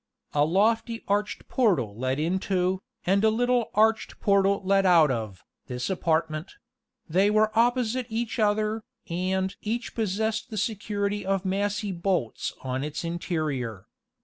A lofty arched portal led into, and a little arched portal led out of, this apartment; they were opposite each other, and each possessed the security of massy bolts on its interior.